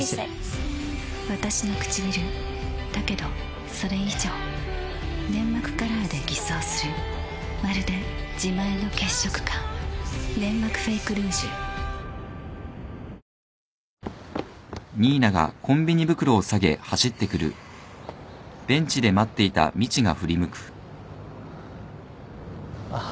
わたしのくちびるだけどそれ以上粘膜カラーで偽装するまるで自前の血色感「ネンマクフェイクルージュ」あっ。